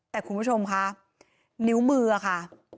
แต่คุณผู้ชมค่ะนิ้วมือค่ะ